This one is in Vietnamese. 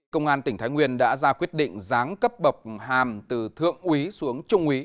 công an tỉnh thái nguyên đã ra quyết định giáng cấp bọc hàm từ thượng úy xuống trung úy